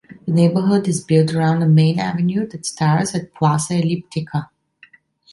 The neighborhood is built around a main avenue that starts at Plaça El·líptica.